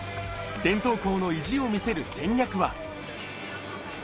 伝統校の意地を見せる戦略は。